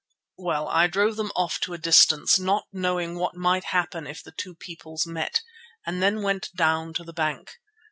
Well, I drove them off to a distance, not knowing what might happen if the two peoples met, and then went down to the bank.